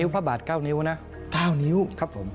อ๋อออกไปอีก